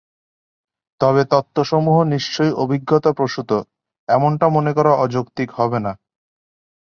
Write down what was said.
তবে তত্ত্বসমূহ নিশ্চয়ই অভিজ্ঞতা প্রসূত- এমনটা মনে করা অযৌক্তিক হবে না।